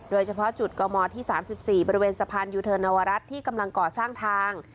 โดยเฉพาะจุดกมที่๓๔บริเวณสะพานยูเทิร์นนวรัฐที่กำลังก่อสร้างทาง